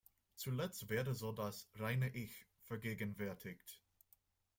Zuletzt werde so das „reine Ich“ vergegenwärtigt.